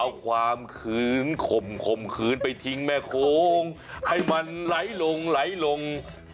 เอาความขืนขมไปทิ้งแม่โคงให้มันไหลลง